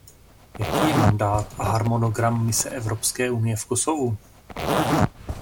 Jaký je mandát a harmonogram mise Evropské unie v Kosovu?